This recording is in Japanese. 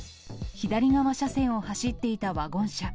左側車線を走っていたワゴン車。